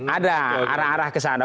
ada arah arah kesana